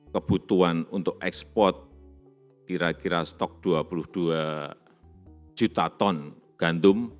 kebutuhan untuk ekspor kira kira stok dua puluh dua juta ton gandum